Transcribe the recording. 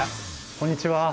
こんにちは。